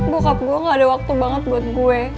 buku gue gak ada waktu banget buat gue